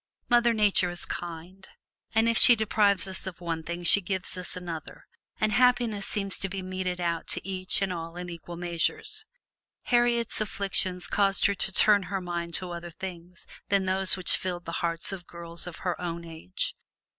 Mother Nature is kind, and if she deprives us of one thing she gives us another, and happiness seems to be meted out to each and all in equal portions. Harriet's afflictions caused her to turn her mind to other things than those which filled the hearts of girls of her own age.